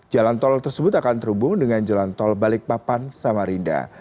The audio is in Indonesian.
jalan tol tersebut akan terhubung dengan jalan tol balikpapan samarinda